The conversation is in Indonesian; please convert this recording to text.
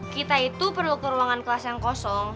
kita itu perlu ke ruangan kelas yang kosong